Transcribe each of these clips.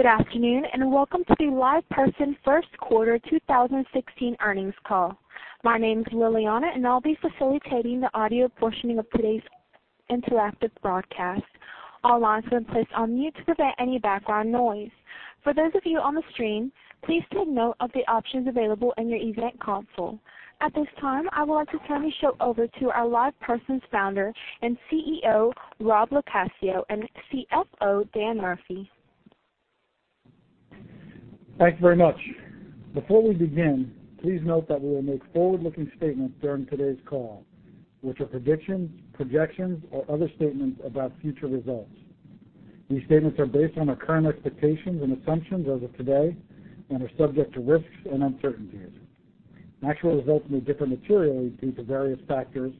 Good afternoon, welcome to the LivePerson first quarter 2016 earnings call. My name is Liliana, I'll be facilitating the audio portioning of today's interactive broadcast. All lines have been placed on mute to prevent any background noise. For those of you on the stream, please take note of the options available in your event console. At this time, I would like to turn the show over to our LivePerson's founder and CEO, Robert LoCascio, and CFO, Daniel Murphy. Thank you very much. Before we begin, please note that we will make forward-looking statements during today's call, which are predictions, projections, or other statements about future results. These statements are based on our current expectations and assumptions as of today and are subject to risks and uncertainties. Actual results may differ materially due to various factors,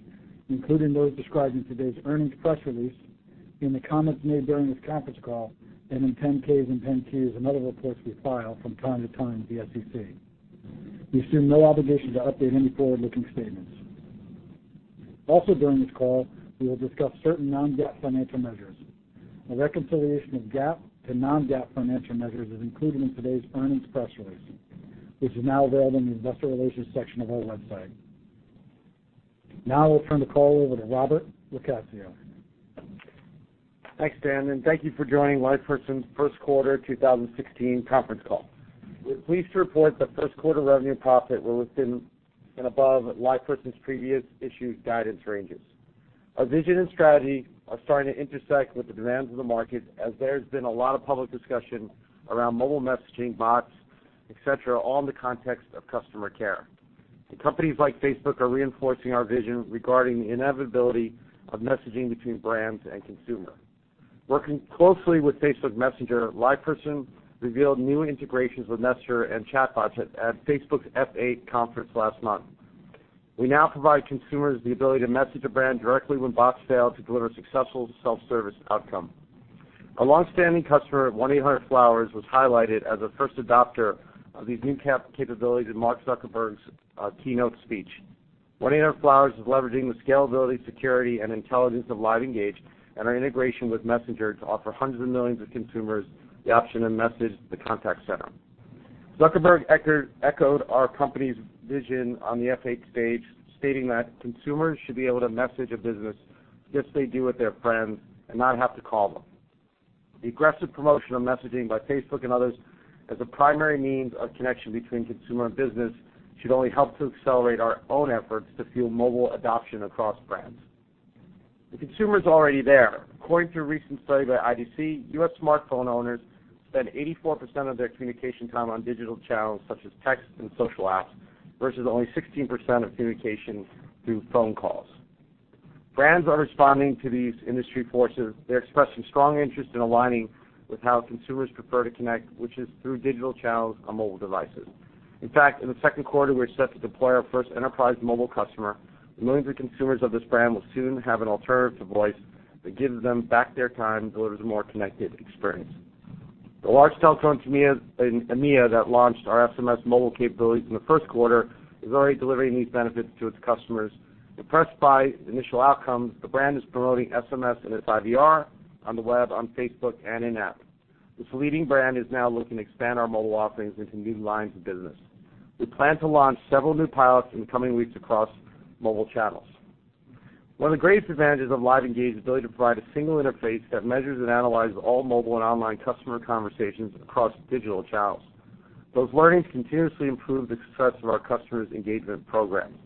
including those described in today's earnings press release, in the comments made during this conference call, and in 10-Ks and 10-Qs and other reports we file from time to time with the SEC. We assume no obligation to update any forward-looking statements. Also during this call, we will discuss certain non-GAAP financial measures. A reconciliation of GAAP to non-GAAP financial measures is included in today's earnings press release, which is now available in the investor relations section of our website. I will turn the call over to Robert LoCascio. Thanks, Dan, thank you for joining LivePerson's first quarter 2016 conference call. We're pleased to report that first quarter revenue and profit were within and above LivePerson's previous issued guidance ranges. Our vision and strategy are starting to intersect with the demands of the market, as there's been a lot of public discussion around mobile messaging, bots, et cetera, all in the context of customer care. Companies like Facebook are reinforcing our vision regarding the inevitability of messaging between brands and consumer. Working closely with Facebook Messenger, LivePerson revealed new integrations with Messenger and chatbots at Facebook's F8 conference last month. We now provide consumers the ability to message a brand directly when bots fail to deliver a successful self-service outcome. A long-standing customer, 1-800-Flowers.com, was highlighted as a first adopter of these new capabilities in Mark Zuckerberg's keynote speech. 1-800-Flowers.com is leveraging the scalability, security, and intelligence of LiveEngage and our integration with Messenger to offer hundreds of millions of consumers the option to message the contact center. Zuckerberg echoed our company's vision on the F8 stage, stating that consumers should be able to message a business just as they do with their friends and not have to call them. The aggressive promotion of messaging by Facebook and others as a primary means of connection between consumer and business should only help to accelerate our own efforts to fuel mobile adoption across brands. The consumer's already there. According to a recent study by IDC, U.S. smartphone owners spend 84% of their communication time on digital channels such as text and social apps, versus only 16% of communication through phone calls. Brands are responding to these industry forces. They're expressing strong interest in aligning with how consumers prefer to connect, which is through digital channels on mobile devices. In fact, in the second quarter, we're set to deploy our first enterprise mobile customer. Millions of consumers of this brand will soon have an alternative to voice that gives them back their time and delivers a more connected experience. The large telecom in EMEA that launched our SMS mobile capabilities in the first quarter is already delivering these benefits to its customers. Impressed by the initial outcomes, the brand is promoting SMS in its IVR, on the web, on Facebook, and in-app. This leading brand is now looking to expand our mobile offerings into new lines of business. We plan to launch several new pilots in the coming weeks across mobile channels. One of the greatest advantages of LiveEngage is the ability to provide a single interface that measures and analyzes all mobile and online customer conversations across digital channels. Those learnings continuously improve the success of our customers' engagement programs.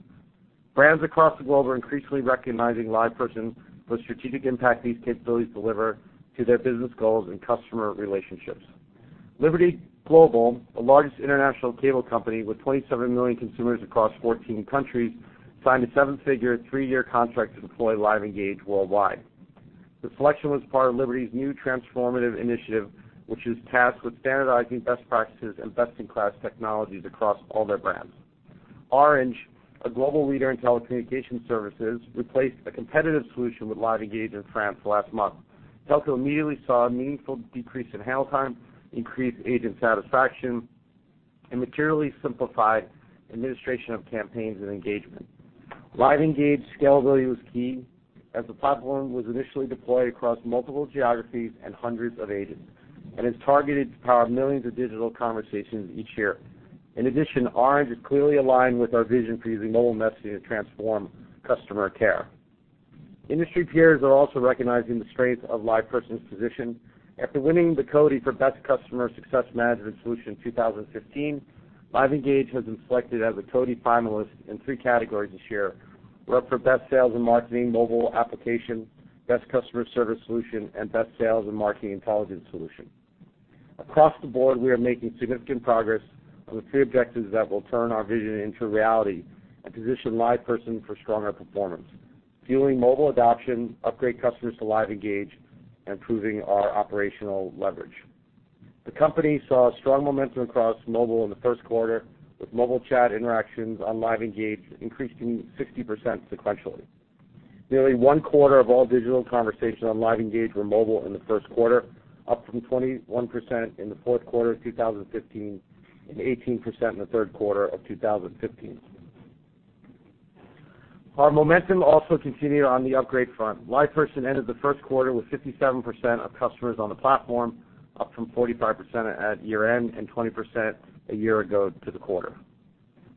Brands across the globe are increasingly recognizing LivePerson for the strategic impact these capabilities deliver to their business goals and customer relationships. Liberty Global, the largest international cable company with 27 million consumers across 14 countries, signed a seven-figure, three-year contract to deploy LiveEngage worldwide. The selection was part of Liberty's new transformative initiative, which is tasked with standardizing best practices and best-in-class technologies across all their brands. Orange, a global leader in telecommunication services, replaced a competitive solution with LiveEngage in France last month. The telco immediately saw a meaningful decrease in handle time, increased agent satisfaction, and materially simplified administration of campaigns and engagement. LiveEngage scalability was key, as the platform was initially deployed across multiple geographies and hundreds of agents, and is targeted to power millions of digital conversations each year. In addition, Orange is clearly aligned with our vision for using mobile messaging to transform customer care. Industry peers are also recognizing the strength of LivePerson's position. After winning the CODiE for Best Customer Success Management Solution in 2015, LiveEngage has been selected as a CODiE finalist in three categories this year. We're up for Best Sales and Marketing Mobile Application, Best Customer Service Solution, and Best Sales and Marketing Intelligence Solution. Across the board, we are making significant progress on the three objectives that will turn our vision into reality and position LivePerson for stronger performance, fueling mobile adoption, upgrade customers to LiveEngage, and improving our operational leverage. The company saw strong momentum across mobile in the first quarter, with mobile chat interactions on LiveEngage increasing 60% sequentially. Nearly one-quarter of all digital conversations on LiveEngage were mobile in the first quarter, up from 21% in the fourth quarter of 2015 and 18% in the third quarter of 2015. Our momentum also continued on the upgrade front. LivePerson ended the first quarter with 57% of customers on the platform, up from 45% at year-end and 20% a year ago to the quarter.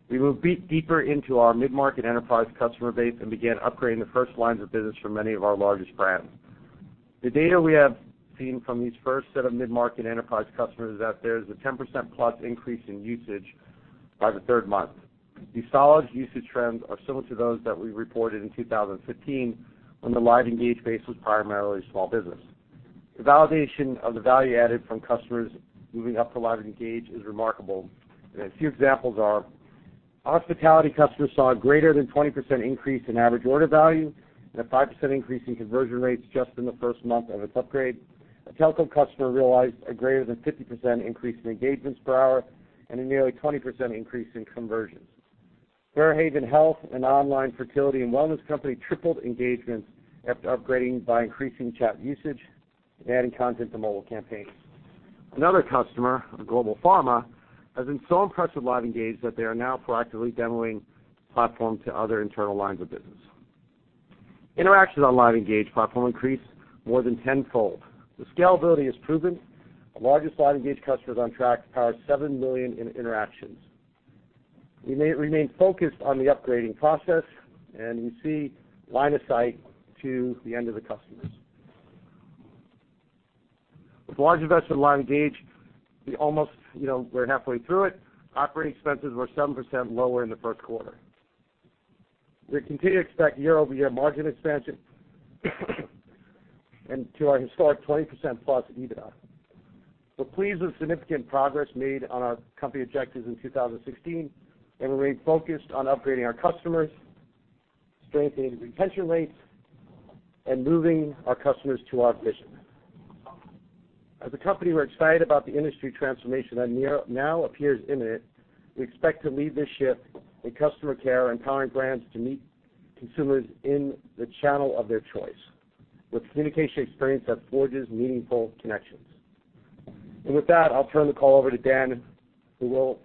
We will beat deeper into our mid-market enterprise customer base and begin upgrading the first lines of business for many of our largest brands. The data we have seen from these first set of mid-market enterprise customers is that there's a 10%-plus increase in usage by the third month. These solid usage trends are similar to those that we reported in 2015 when the LiveEngage base was primarily small business. The validation of the value added from customers moving up to LiveEngage is remarkable, and a few examples are, hospitality customers saw a greater than 20% increase in average order value and a 5% increase in conversion rates just in the first month of its upgrade. A telecom customer realized a greater than 50% increase in engagements per hour and a nearly 20% increase in conversions. Fairhaven Health, an online fertility and wellness company, tripled engagements after upgrading by increasing chat usage and adding content to mobile campaigns. Another customer, a global pharma, has been so impressed with LiveEngage that they are now proactively demoing the platform to other internal lines of business. Interactions on LiveEngage platform increased more than tenfold. The scalability is proven. Our largest LiveEngage customer is on track to power 7 million interactions. We remain focused on the upgrading process, and we see line of sight to the end of the customers. With large investment in LiveEngage, we're halfway through it. Operating expenses were 7% lower in the first quarter. We continue to expect year-over-year margin expansion to our historic 20%-plus EBITDA. We're pleased with the significant progress made on our company objectives in 2016, and remain focused on upgrading our customers, strengthening retention rates, and moving our customers to our vision. As a company, we're excited about the industry transformation that now appears imminent. We expect to lead this shift in customer care, empowering brands to meet consumers in the channel of their choice with communication experience that forges meaningful connections. With that, I'll turn the call over to Dan, who will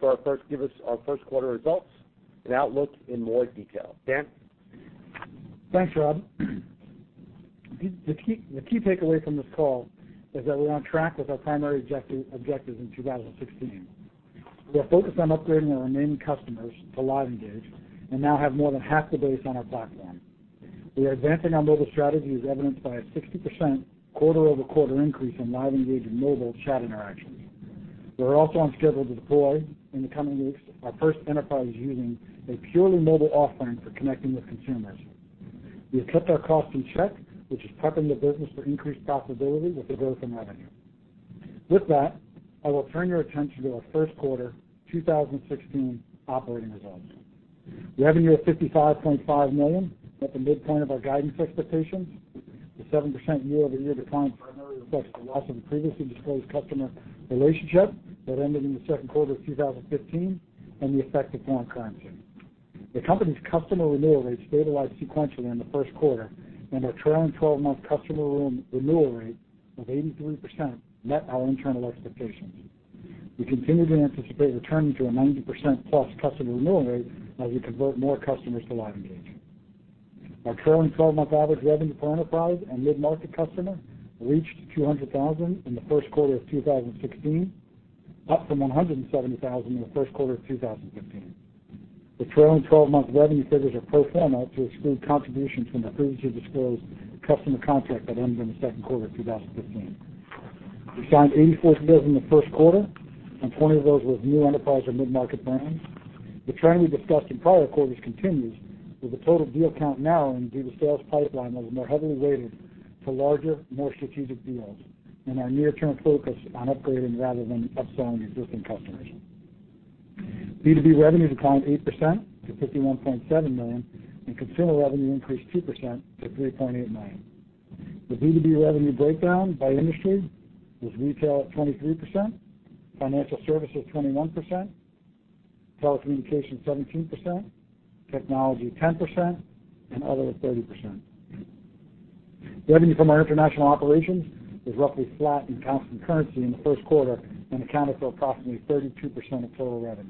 give us our first quarter results and outlook in more detail. Dan? Thanks, Rob. The key takeaway from this call is that we're on track with our primary objectives in 2016. We are focused on upgrading our remaining customers to LiveEngage and now have more than half the base on our platform. We are advancing our mobile strategy as evidenced by a 60% quarter-over-quarter increase in LiveEngage mobile chat interactions. We're also on schedule to deploy in the coming weeks our first enterprise using a purely mobile offering for connecting with consumers. We have kept our costs in check, which is prepping the business for increased profitability with the growth in revenue. With that, I will turn your attention to our first quarter 2016 operating results. Revenue of $55.5 million at the midpoint of our guidance expectations, with 7% year-over-year decline primarily reflects the loss of a previously disclosed customer relationship that ended in the second quarter of 2015 and the effect of foreign currency. The company's customer renewal rate stabilized sequentially in the first quarter, and our trailing 12-month customer renewal rate of 83% met our internal expectations. We continue to anticipate returning to a 90%-plus customer renewal rate as we convert more customers to LiveEngage. Our trailing 12-month average revenue per enterprise and mid-market customer reached $200,000 in the first quarter of 2016, up from $170,000 in the first quarter of 2015. The trailing 12-month revenue figures are pro forma to exclude contributions from the previously disclosed customer contract that ended in the second quarter of 2015. We signed 84 deals in the first quarter, 20 of those were with new enterprise or mid-market brands. The trend we discussed in prior quarters continues, with the total deal count narrowing due to sales pipeline that was more heavily weighted to larger, more strategic deals and our near-term focus on upgrading rather than upselling existing customers. B2B revenue declined 8% to $51.7 million, and consumer revenue increased 2% to $3.8 million. The B2B revenue breakdown by industry was retail at 23%, financial services 21%, telecommunications 17%, technology 10%, and other 30%. Revenue from our international operations was roughly flat in constant currency in the first quarter and accounted for approximately 32% of total revenue.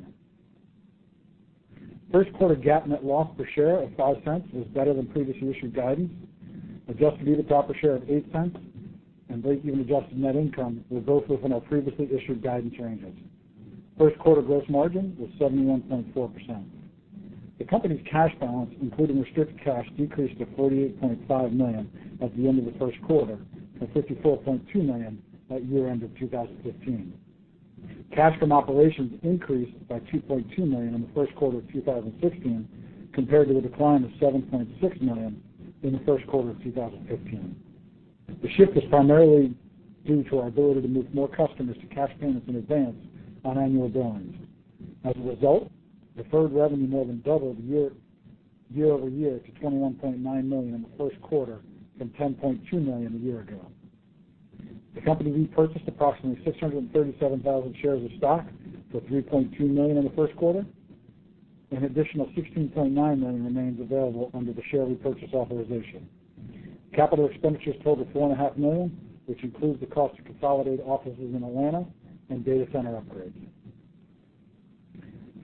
First quarter GAAP net loss per share of $0.05 was better than previously issued guidance. Adjusted EBITDA per share of $0.08 and break-even adjusted net income were both within our previously issued guidance ranges. First quarter gross margin was 71.4%. The company's cash balance, including restricted cash, decreased to $48.5 million at the end of the first quarter from $54.2 million at year-end of 2015. Cash from operations increased by $2.2 million in the first quarter of 2016 compared to the decline of $7.6 million in the first quarter of 2015. The shift is primarily due to our ability to move more customers to cash payments in advance on annual billings. As a result, deferred revenue more than doubled year-over-year to $21.9 million in the first quarter from $10.2 million a year ago. The company repurchased approximately 637,000 shares of stock for $3.2 million in the first quarter. An additional $16.9 million remains available under the share repurchase authorization. Capital expenditures totaled $4.5 million, which includes the cost to consolidate offices in Atlanta and data center upgrades.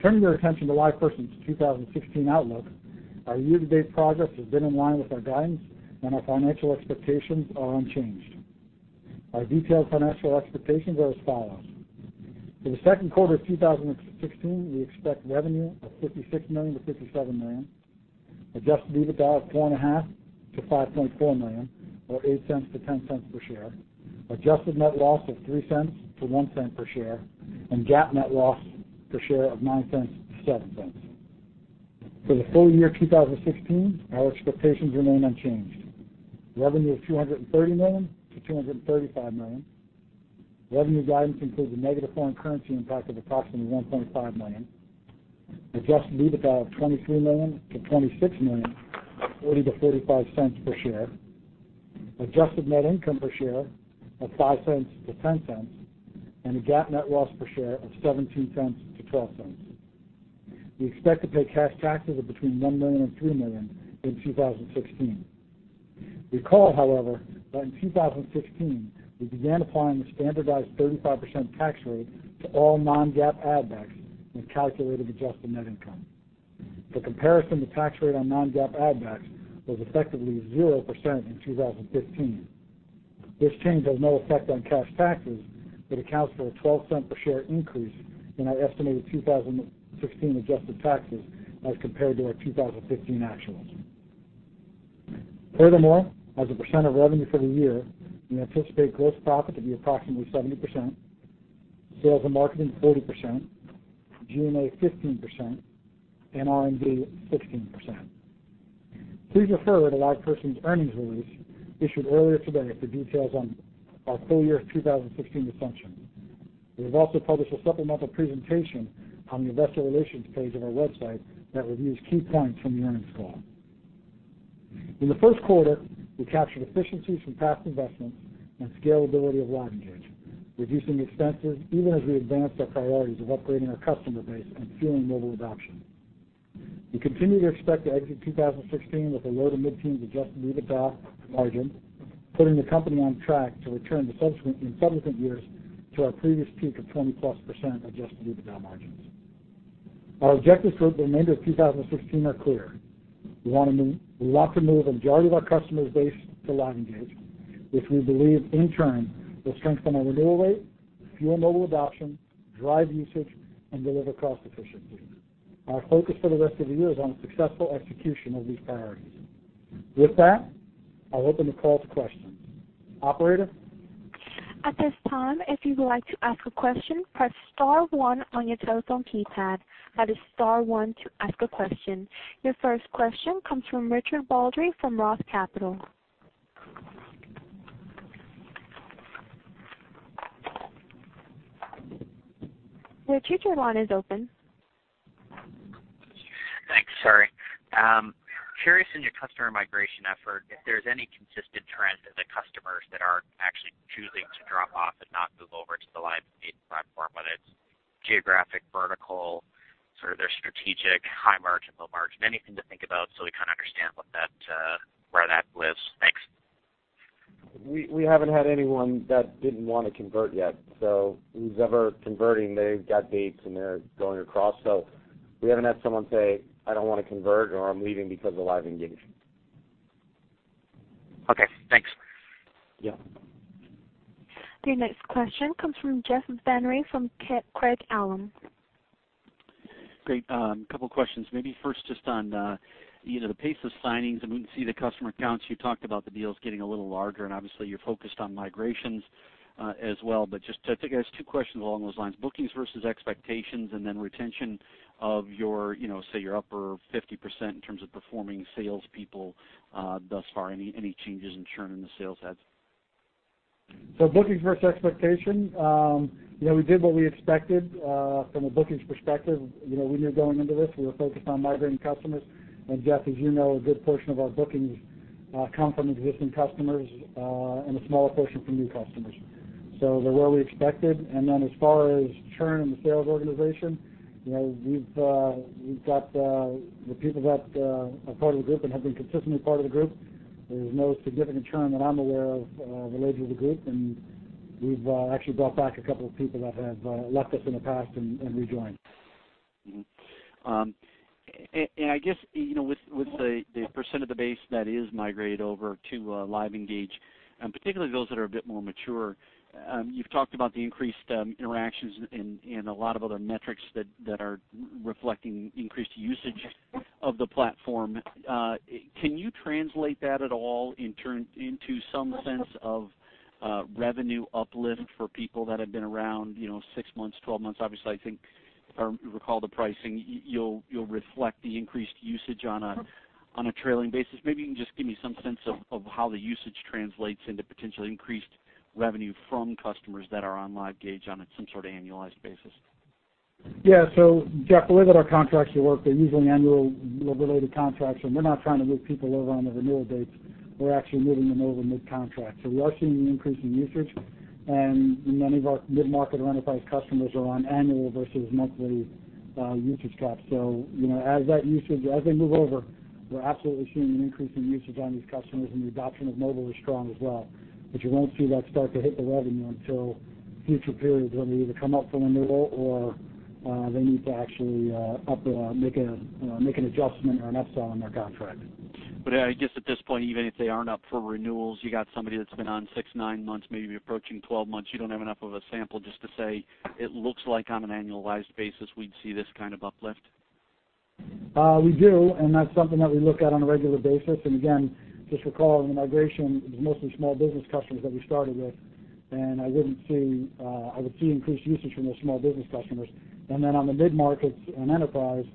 Turning your attention to LivePerson's 2016 outlook, our year-to-date progress has been in line with our guidance, our financial expectations are unchanged. Our detailed financial expectations are as follows. For the second quarter of 2016, we expect revenue of $56 million to $57 million, adjusted EBITDA of $4.5 million to $5.4 million, or $0.08 to $0.10 per share, adjusted net loss of $0.03 to $0.01 per share, GAAP net loss per share of $0.09 to $0.07. For the full year 2016, our expectations remain unchanged. Revenue of $230 million to $235 million. Revenue guidance includes a negative foreign currency impact of approximately $1.5 million. Adjusted EBITDA of $23 million to $26 million, $0.40 to $0.45 per share. Adjusted net income per share of $0.05 to $0.10, and a GAAP net loss per share of $0.17 to $0.12. We expect to pay cash taxes of between $1 million and $3 million in 2016. Recall, however, that in 2016, we began applying the standardized 35% tax rate to all non-GAAP add-backs when calculating adjusted net income. For comparison, the tax rate on non-GAAP add-backs was effectively 0% in 2015. This change has no effect on cash taxes but accounts for a $0.12 per share increase in our estimated 2016 adjusted taxes as compared to our 2015 actuals. Furthermore, as a percent of revenue for the year, we anticipate gross profit to be approximately 70%, sales and marketing 40%, G&A 15%, and R&D 16%. Please refer to LivePerson's earnings release issued earlier today for details on our full-year 2016 assumptions. We have also published a supplemental presentation on the investor relations page of our website that reviews key points from the earnings call. In the first quarter, we captured efficiencies from past investments and scalability of LiveEngage, reducing expenses even as we advanced our priorities of upgrading our customer base and fueling mobile adoption. We continue to expect to exit 2016 with a low-to-mid-teens adjusted EBITDA margin, putting the company on track to return in subsequent years to our previous peak of 20-plus% adjusted EBITDA margins. Our objectives for the remainder of 2016 are clear. We want to move a majority of our customers base to LiveEngage, which we believe, in turn, will strengthen our renewal rate, fuel mobile adoption, drive usage, and deliver cost efficiencies. Our focus for the rest of the year is on the successful execution of these priorities. With that, I'll open the call to questions. Operator? At this time, if you would like to ask a question, press star one on your telephone keypad. That is star one to ask a question. Your first question comes from Richard Baldry from Roth Capital. Your analyst line is open. Thanks. Sorry. Curious in your customer migration effort, if there's any consistent trend in the customers that are actually choosing to drop off and not move over to the LiveEngage platform, whether it's geographic, vertical, sort of their strategic, high-margin, low-margin, anything to think about so we kind of understand where that lives. Thanks. We haven't had anyone that didn't want to convert yet. Who's ever converting, they've got dates, and they're going across. We haven't had someone say, "I don't want to convert," or, "I'm leaving because of LiveEngage. Okay, thanks. Yeah. Your next question comes from Jeff Van Rhee from Craig-Hallum. Great. Couple of questions. Maybe first, just on the pace of signings, and we can see the customer counts. You talked about the deals getting a little larger, and obviously you're focused on migrations as well. Just to take, I guess two questions along those lines, bookings versus expectations, and then retention of, say, your upper 50% in terms of performing salespeople thus far. Any changes in churn in the sales heads? Bookings versus expectation. We did what we expected from a bookings perspective. When we were going into this, we were focused on migrating customers. Jeff, as you know, a good portion of our bookings come from existing customers, and a smaller portion from new customers. They're where we expected. As far as churn in the sales organization, the people that are part of the group and have been consistently part of the group, there's no significant churn that I'm aware of related to the group, and we've actually brought back a couple of people that have left us in the past and rejoined. I guess, with the percent of the base that is migrated over to LiveEngage, and particularly those that are a bit more mature, you've talked about the increased interactions and a lot of other metrics that are reflecting increased usage of the platform. Can you translate that at all into some sense of revenue uplift for people that have been around 6 months, 12 months? Obviously, I think if I recall the pricing, you'll reflect the increased usage on a trailing basis. Maybe you can just give me some sense of how the usage translates into potentially increased revenue from customers that are on LiveEngage on some sort of annualized basis. Jeff, the way that our contracts will work, they're usually annual-related contracts, and we're not trying to move people over on the renewal dates. We're actually moving them over mid-contract. We are seeing an increase in usage, and many of our mid-market or enterprise customers are on annual versus monthly usage caps. As they move over We're absolutely seeing an increase in usage on these customers, the adoption of mobile is strong as well. You won't see that start to hit the revenue until future periods when they either come up for renewal or they need to actually make an adjustment or an upsell on their contract. I guess at this point, even if they aren't up for renewals, you got somebody that's been on six, nine months, maybe approaching 12 months, you don't have enough of a sample just to say, "It looks like on an annualized basis, we'd see this kind of uplift? We do, and that's something that we look at on a regular basis. Again, just recall in the migration, it was mostly small business customers that we started with. I would see increased usage from those small business customers. Then on the mid-markets and enterprise,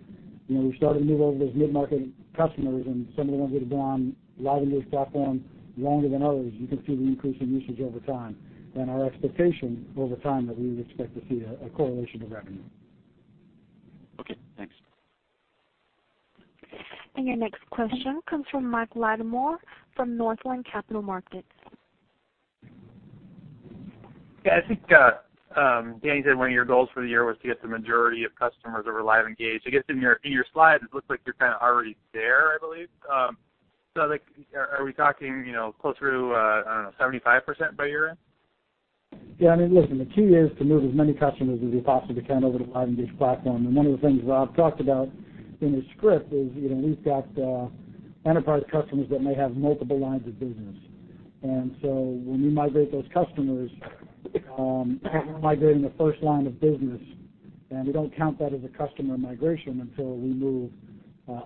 we started to move over those mid-market customers and some of them that have been on LiveEngage platform longer than others, you can see the increase in usage over time. Our expectation over time that we would expect to see a correlation to revenue. Okay, thanks. Your next question comes from Michael Latimore from Northland Capital Markets. I think, Dan said one of your goals for the year was to get the majority of customers over LiveEngage. In your slide, it looks like you're kind of already there, I believe. Are we talking closer to, I don't know, 75% by year-end? The key is to move as many customers as we possibly can over to the LiveEngage platform. One of the things Rob talked about in his script is, we've got enterprise customers that may have multiple lines of business. When we migrate those customers, we're migrating the first line of business, and we don't count that as a customer migration until we move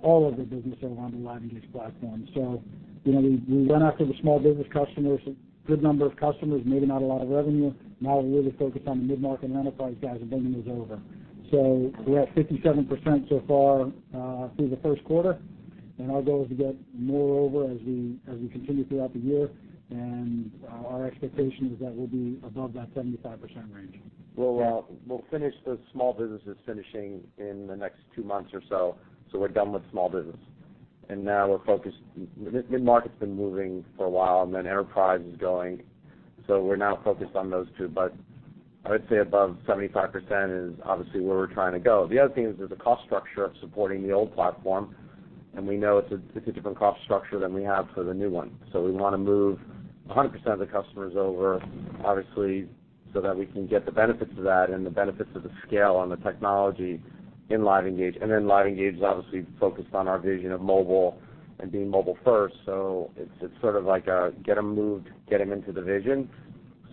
all of their business over onto the LiveEngage platform. We went after the small business customers, a good number of customers, maybe not a lot of revenue. We're really focused on the mid-market and enterprise guys and bringing those over. We're at 57% so far through the first quarter, and our goal is to get more over as we continue throughout the year. Our expectation is that we'll be above that 75% range. We'll finish those small businesses finishing in the next two months or so. We're done with small business. We're focused, mid-market's been moving for a while, and then enterprise is going. We're now focused on those two. I would say above 75% is obviously where we're trying to go. The other thing is there's a cost structure of supporting the old platform, and we know it's a different cost structure than we have for the new one. We want to move 100% of the customers over, obviously, so that we can get the benefits of that and the benefits of the scale and the technology in LiveEngage. LiveEngage is obviously focused on our vision of mobile and being mobile first. It's sort of like a get them moved, get them into the vision.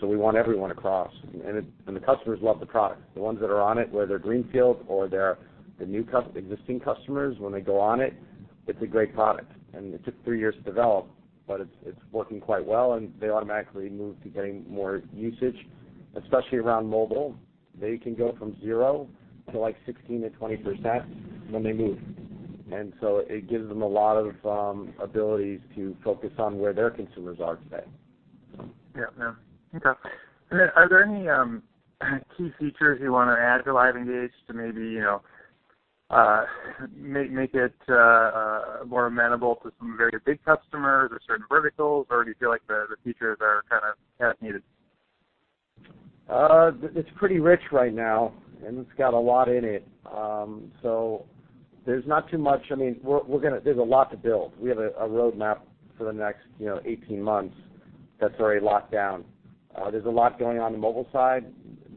We want everyone across. The customers love the product. The ones that are on it, whether they're greenfields or they're the existing customers, when they go on it's a great product. It took three years to develop, but it's working quite well, and they automatically move to getting more usage, especially around mobile. They can go from 0 to 16%-20% when they move. It gives them a lot of abilities to focus on where their consumers are today. Yeah. Okay. Are there any key features you want to add to LiveEngage to maybe make it more amenable to some very big customers or certain verticals? Do you feel like the features are kind of as needed? It's pretty rich right now. It's got a lot in it. There's not too much. There's a lot to build. We have a roadmap for the next 18 months that's very locked down. There's a lot going on in the mobile side.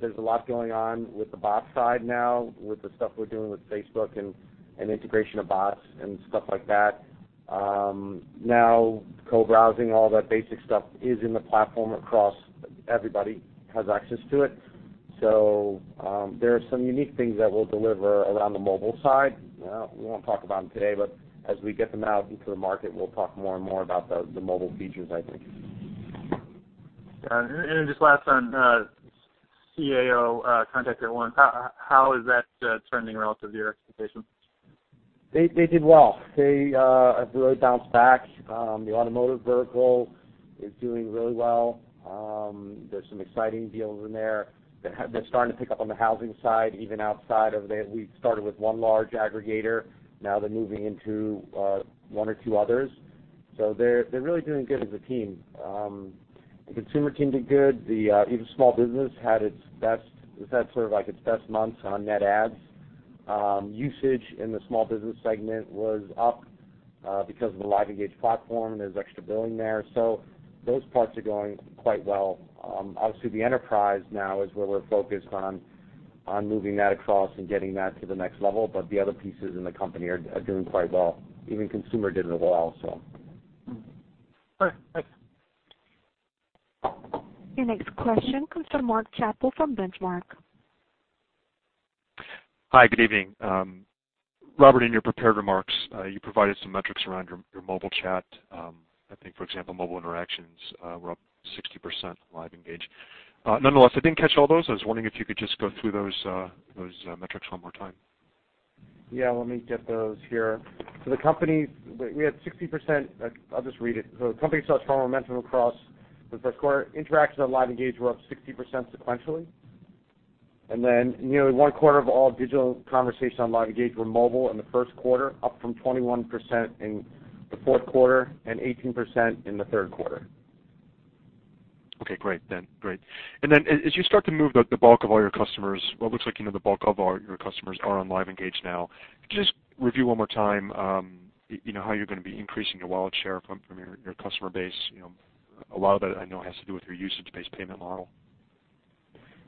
There's a lot going on with the bot side now, with the stuff we're doing with Facebook and integration of bots and stuff like that. Now co-browsing, all that basic stuff is in the platform across. Everybody has access to it. There are some unique things that we'll deliver around the mobile side. We won't talk about them today, but as we get them out into the market, we'll talk more and more about the mobile features, I think. Got it. Just last one, CAO, Contact At Once how is that trending relative to your expectations? They did well. They have really bounced back. The automotive vertical is doing really well. There's some exciting deals in there. They're starting to pick up on the housing side, even outside of that. We started with one large aggregator. Now they're moving into one or two others. They're really doing good as a team. The consumer team did good. Even small business had its best months on net adds. Usage in the small business segment was up because of the LiveEngage platform. There's extra billing there. Those parts are going quite well. Obviously, the enterprise now is where we're focused on moving that across and getting that to the next level. The other pieces in the company are doing quite well. Even consumer did really well. All right. Thanks. Your next question comes from Mark Schappel from Benchmark. Hi, good evening. Robert, in your prepared remarks, you provided some metrics around your mobile chat. I think, for example, mobile interactions were up 60% in LiveEngage. Nonetheless, I didn't catch all those. I was wondering if you could just go through those metrics one more time. Let me get those here. I'll just read it. The company saw strong momentum across the first quarter. Interactions on LiveEngage were up 60% sequentially. Nearly one-quarter of all digital conversations on LiveEngage were mobile in the first quarter, up from 21% in the fourth quarter and 18% in the third quarter. Okay, great then. Great. As you start to move the bulk of all your customers, well, it looks like the bulk of all your customers are on LiveEngage now. Could you just review one more time how you're going to be increasing your wallet share from your customer base? A lot of that, I know, has to do with your usage-based payment model.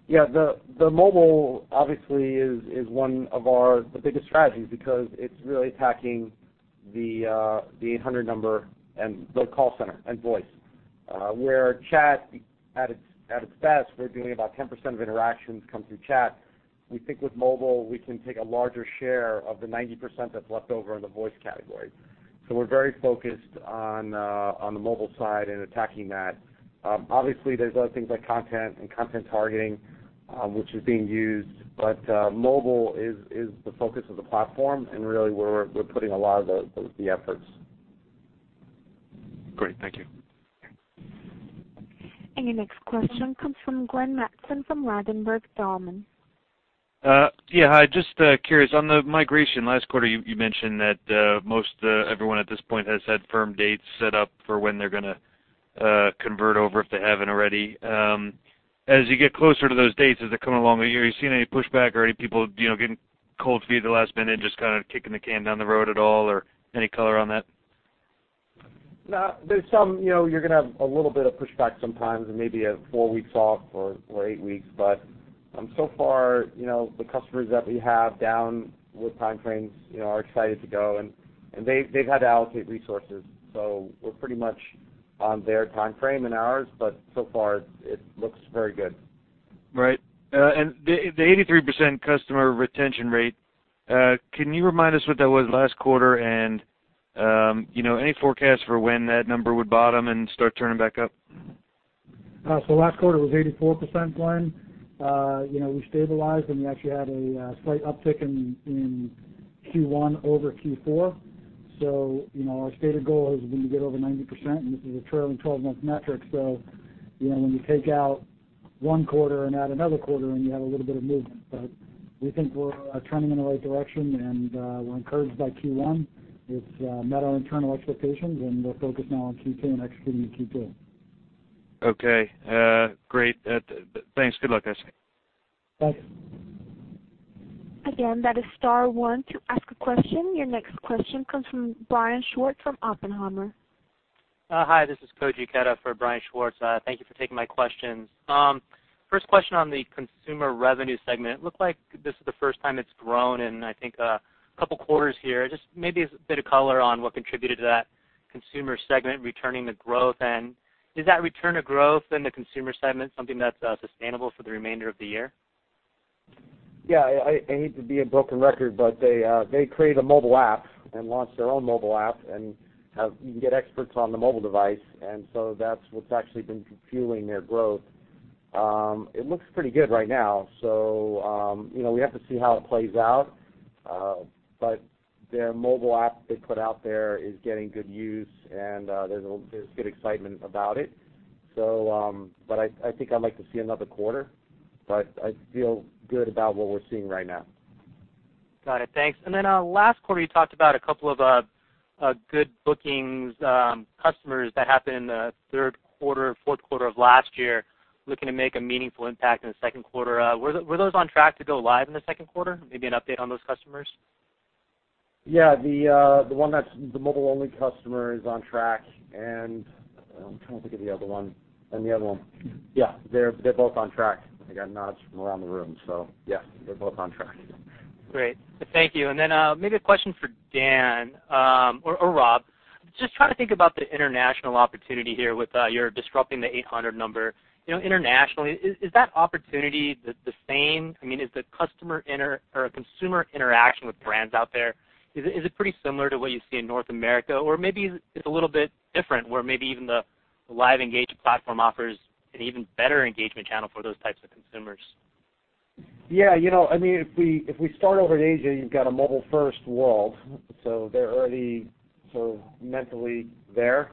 Yeah. The mobile obviously is one of our biggest strategies because it's really attacking the 800 number and the call center and voice. Where chat, at its best, we're doing about 10% of interactions come through chat. We think with mobile, we can take a larger share of the 90% that's left over in the voice category. We're very focused on the mobile side and attacking that. Obviously, there's other things like content and content targeting, which is being used, but mobile is the focus of the platform, and really where we're putting a lot of the efforts. Great. Thank you. Your next question comes from Glenn Mattson from Ladenburg Thalmann. Yeah. Hi, just curious. On the migration, last quarter, you mentioned that everyone at this point has had firm dates set up for when they're going to convert over if they haven't already. As you get closer to those dates, as they're coming along, are you seeing any pushback or any people getting cold feet at the last minute and just kind of kicking the can down the road at all? Any color on that? No. You're going to have a little bit of pushback sometimes and maybe a four weeks off or eight weeks. So far, the customers that we have down with time frames are excited to go, and they've had to allocate resources. We're pretty much on their timeframe and ours, but so far it looks very good. Right. The 83% customer retention rate, can you remind us what that was last quarter and any forecast for when that number would bottom and start turning back up? Last quarter was 84%, Glenn. We stabilized and we actually had a slight downtick in Q1 over Q4. Our stated goal is when you get over 90%, and this is a trailing 12-month metric, so when you take out one quarter and add another quarter and you have a little bit of movement. We think we're trending in the right direction, and we're encouraged by Q1. It's met our internal expectations, and we're focused now on Q2 and executing Q2. Okay. Great. Thanks. Good luck, guys. Thanks. Again, that is star one to ask a question. Your next question comes from Brian Schwartz from Oppenheimer. Hi, this is Koji Ikeda for Brian Schwartz. Thank you for taking my questions. First question on the consumer revenue segment. Looked like this is the first time it's grown in, I think, a couple of quarters here. Just maybe a bit of color on what contributed to that consumer segment returning to growth. Is that return to growth in the consumer segment something that's sustainable for the remainder of the year? Yeah. I hate to be a broken record, they created a mobile app and launched their own mobile app and you can get experts on the mobile device, that's what's actually been fueling their growth. It looks pretty good right now, we have to see how it plays out. Their mobile app they put out there is getting good use and there's good excitement about it. I think I'd like to see another quarter, I feel good about what we're seeing right now. Got it. Thanks. Last quarter, you talked about a couple of good bookings customers that happened in the third quarter, fourth quarter of last year, looking to make a meaningful impact in the second quarter. Were those on track to go live in the second quarter? Maybe an update on those customers. Yeah. The mobile-only customer is on track and, I'm trying to think of the other one. Yeah, they're both on track. I got nods from around the room. Yeah, they're both on track. Great. Thank you. Maybe a question for Dan or Rob. Just trying to think about the international opportunity here with your disrupting the 800 number. Internationally, is that opportunity the same? Is the consumer interaction with brands out there, is it pretty similar to what you see in North America? Maybe it's a little bit different where maybe even the LiveEngage platform offers an even better engagement channel for those types of consumers. Yeah. If we start over in Asia, you've got a mobile-first world. They're already mentally there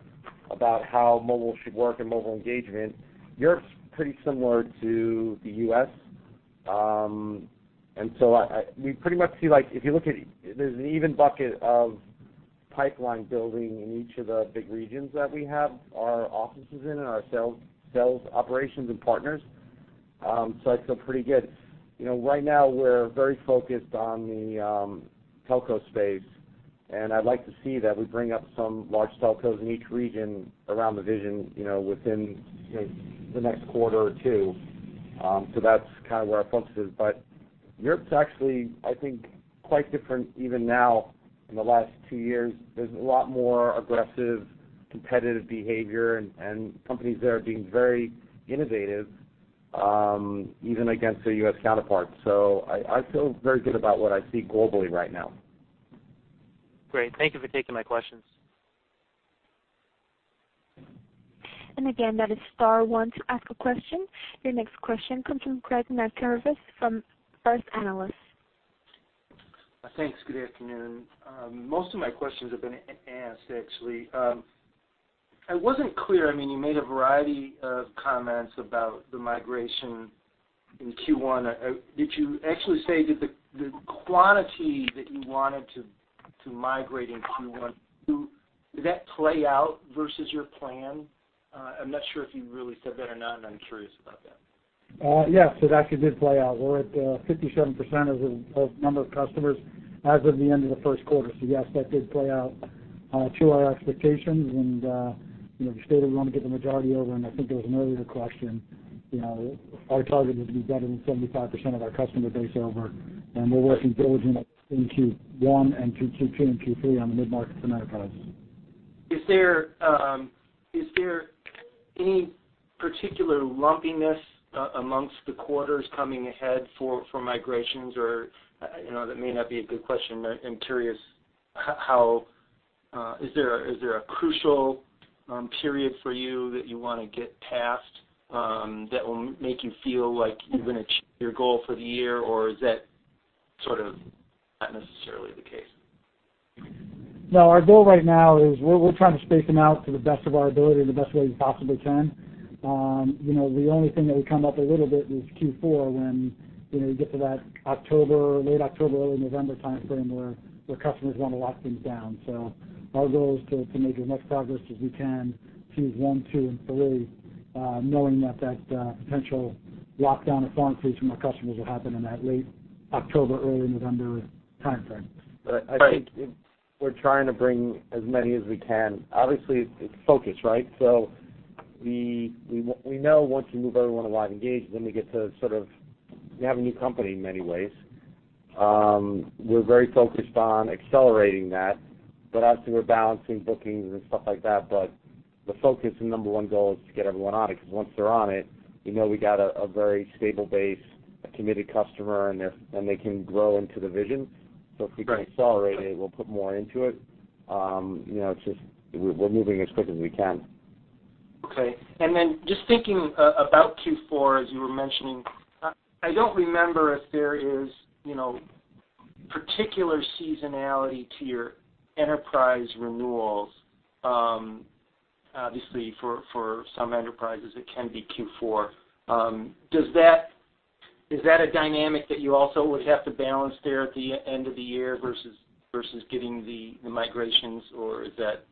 about how mobile should work and mobile engagement. Europe's pretty similar to the U.S. There's an even bucket of pipeline building in each of the big regions that we have our offices in and our sales operations and partners. I feel pretty good. Right now, we're very focused on the telco space, and I'd like to see that we bring up some large telcos in each region around the vision within the next quarter or two. That's where our focus is. Europe's actually, I think, quite different even now in the last two years. There's a lot more aggressive, competitive behavior and companies there are being very innovative, even against their U.S. counterparts. I feel very good about what I see globally right now. Great. Thank you for taking my questions. Again, that is star one to ask a question. Your next question comes from Craig Matts from First Analysis. Thanks. Good afternoon. Most of my questions have been asked, actually. I wasn't clear, you made a variety of comments about the migration In Q1, did you actually say that the quantity that you wanted to migrate in Q1, did that play out versus your plan? I'm not sure if you really said that or not, and I'm curious about that. Yes. It actually did play out. We're at 57% of number of customers as of the end of the first quarter. Yes, that did play out to our expectations, and we stated we want to get the majority over, and I think there was an earlier question. Our target is to be better than 75% of our customer base over, and we're working diligently in Q1 and to Q2 and Q3 on the mid-market and enterprise. Is there any particular lumpiness amongst the quarters coming ahead for migrations? That may not be a good question, but I'm curious, is there a crucial period for you that you want to get past that will make you feel like you're going to achieve your goal for the year, or is that sort of not necessarily the case? No, our goal right now is we're trying to space them out to the best of our ability, the best way we possibly can. The only thing that would come up a little bit is Q4, when you get to that late October, early November timeframe, where customers want to lock things down. Our goal is to make as much progress as we can, Qs one, two, and three, knowing that potential lockdown or phone freeze from our customers will happen in that late October, early November timeframe. Right. I think we're trying to bring as many as we can. Obviously, it's focus, right? We know once we move everyone to LiveEngage, then we have a new company in many ways. We're very focused on accelerating that, but obviously, we're balancing bookings and stuff like that. The focus and number one goal is to get everyone on it, because once they're on it, we know we got a very stable base, a committed customer, and they can grow into the vision. Right. If we can accelerate it, we'll put more into it. It's just we're moving as quick as we can. Okay. Just thinking about Q4, as you were mentioning, I don't remember if there is particular seasonality to your enterprise renewals. Obviously, for some enterprises, it can be Q4. Is that a dynamic that you also would have to balance there at the end of the year versus getting the migrations, or is that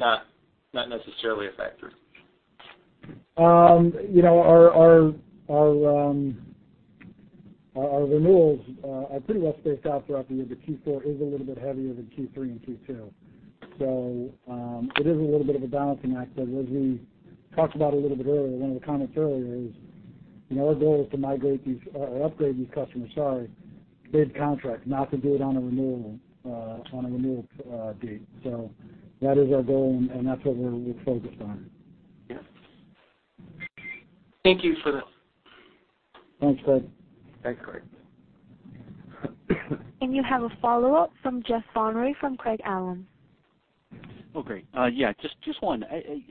not necessarily a factor? Our renewals are pretty well spaced out throughout the year, but Q4 is a little bit heavier than Q3 and Q2. It is a little bit of a balancing act, but as we talked about a little bit earlier, one of the comments earlier is our goal is to migrate these or upgrade these customers, sorry, mid-contract, not to do it on a renewal date. That is our goal, and that's what we're focused on. Yeah. Thank you for this. Thanks, Craig. Thanks, Craig. You have a follow-up from Jeff Van Rhee from Craig-Hallum. Oh, great. Yeah, just one.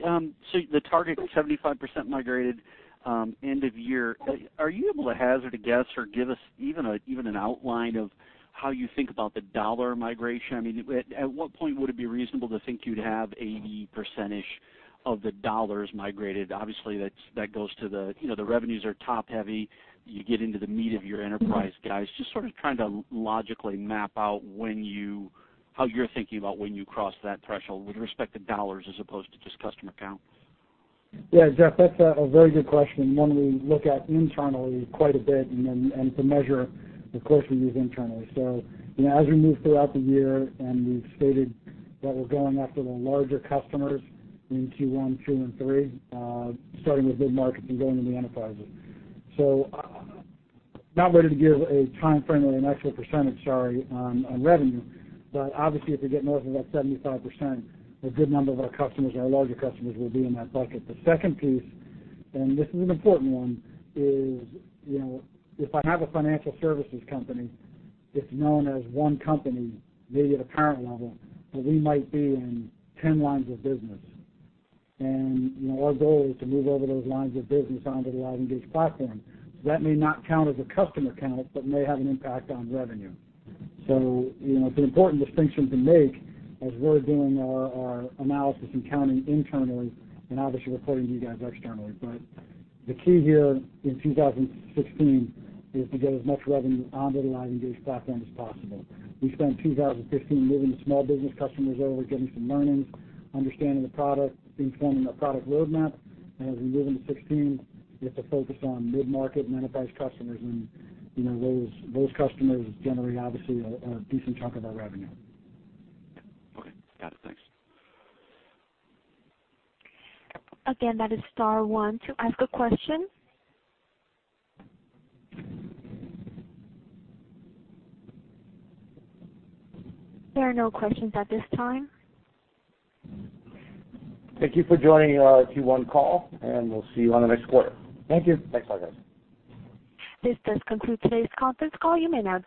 The target of 75% migrated end of year, are you able to hazard a guess or give us even an outline of how you think about the dollar migration? I mean, at what point would it be reasonable to think you'd have 80%-ish of the dollars migrated? Obviously, the revenues are top-heavy. You get into the meat of your enterprise guys. Just sort of trying to logically map out how you're thinking about when you cross that threshold with respect to dollars as opposed to just customer count. Yeah, Jeff, that's a very good question, and one we look at internally quite a bit, and to measure the growth we use internally. As we move throughout the year, and we've stated that we're going after the larger customers in Q1, 2, and 3, starting with mid-market and going to the enterprises. I'm not ready to give a timeframe or an actual percentage, sorry, on revenue. Obviously, if we get north of that 75%, a good number of our customers, our larger customers, will be in that bucket. The second piece, and this is an important one, is if I have a financial services company, it's known as one company, maybe at a parent level, but we might be in 10 lines of business. Our goal is to move over those lines of business onto the LiveEngage platform. That may not count as a customer count, but may have an impact on revenue. It's an important distinction to make as we're doing our analysis and counting internally and obviously reporting to you guys externally. The key here in 2016 is to get as much revenue onto the LiveEngage platform as possible. We spent 2015 moving the small business customers over, getting some learnings, understanding the product, informing the product roadmap. As we move into 2016, we have to focus on mid-market and enterprise customers, and those customers generate obviously a decent chunk of our revenue. Okay. Got it. Thanks. Again, that is star one to ask a question. There are no questions at this time. Thank you for joining our Q1 call, and we'll see you on the next quarter. Thank you. Thanks, all guys. This does conclude today's conference call. You may now disconnect.